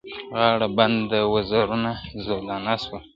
غاړه بنده وزرونه زولانه سوه ,